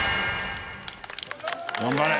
頑張れ。